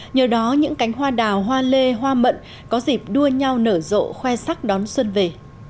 nhờ đó những cánh hoa đào hoa lê hoa mận có dịp đua nhau nở rộ khoe sắc đón xuân về